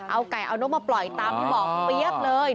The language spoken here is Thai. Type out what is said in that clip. เอาไก่เอานกมาปล่อยตามที่บอกเปี๊ยบเลย